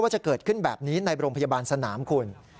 จะเกิดขึ้นแบบนี้ในโรงพยาบาลสนามคุณ